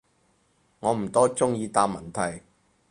我唔多中意答問題